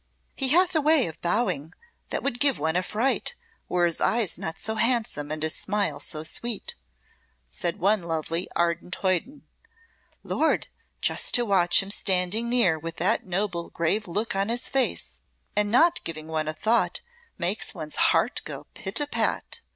"He hath a way of bowing that would give one a fright, were his eyes not so handsome and his smile so sweet," said one lovely ardent hoyden. "Lord! just to watch him standing near with that noble grave look on his face, and not giving one a thought, makes one's heart go pit a pat.